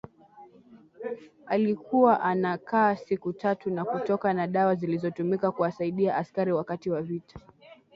alikuwa anakaa siku tatu na kutoka na dawa zilizotumika kuwasadia askari wakati wa vita